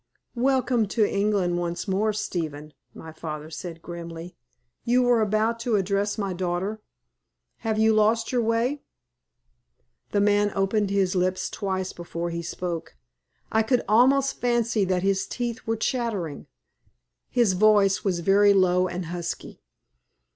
"Welcome to England once more, Stephen," my father said, grimly. "You were about to address my daughter. Have you lost your way?" The man opened his lips twice before he spoke. I could almost fancy that his teeth were chattering. His voice was very low and husky.